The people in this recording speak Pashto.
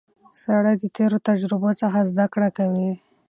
سړی د تېرو تجربو څخه زده کړه کوي